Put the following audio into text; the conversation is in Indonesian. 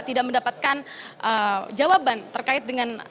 tidak mendapatkan jawaban terkait dengan sosoknya yang ada